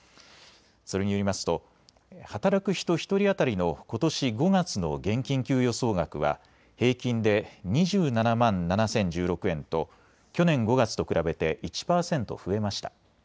それによりますと働く人１人当たりのことし５月の現金給与総額は平均で２７万７０１６円と去年５月と比べて１％増えました。